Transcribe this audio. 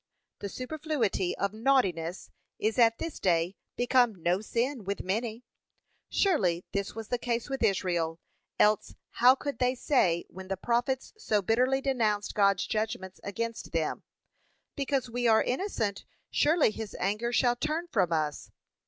The superfluity of naughtiness is at this day become no sin with many. Surely this was the case with Israel, else how could they say when the prophets so bitterly denounced God's judgments against them, 'Because we are innocent, surely his anger shall turn from us.'